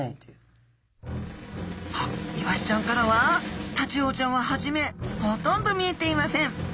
イワシちゃんからはタチウオちゃんは初めほとんど見えていません。